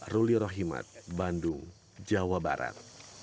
ruli rohimat bandung jawa barat